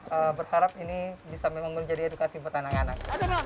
saya harap ini bisa menjadi edukasi buat anak anak